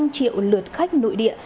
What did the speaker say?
một mươi năm triệu lượt khách nội địa